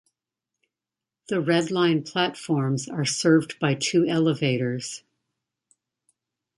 The Red Line platforms are served by two elevators.